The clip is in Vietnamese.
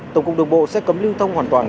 tổng cục đường bộ sẽ cấm lưu thông hoàn toàn